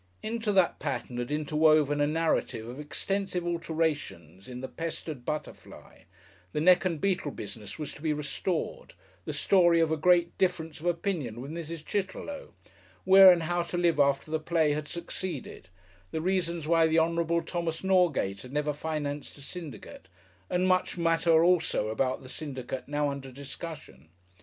Into that pattern had interwoven a narrative of extensive alterations in the Pestered Butterfly the neck and beetle business was to be restored the story of a grave difference of opinion with Mrs. Chitterlow, where and how to live after the play had succeeded, the reasons why the Hon. Thomas Norgate had never financed a syndicate, and much matter also about the syndicate now under discussion.